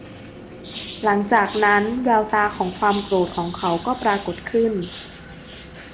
หลัจากนั้น แววตาของความโกรธของเขาก็ปรากฎขึ้น